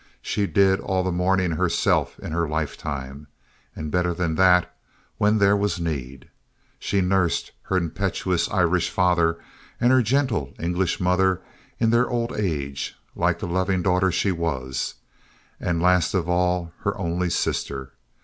She did all the mourning herself in her lifetime, and better than that when there was need. She nursed her impetuous Irish father and her gentle English mother in their old age like the loving daughter she was and, last of all, her only sister.